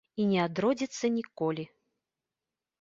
І не адродзіцца ніколі.